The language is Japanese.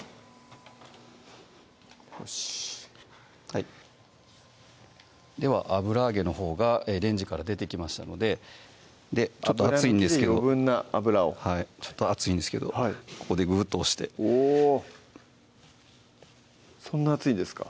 はいでは油揚げのほうがレンジから出てきましたのでちょっと熱いんですけど油抜きで余分な油をちょっと熱いんですけどここでグーッと押しておそんな熱いんですか？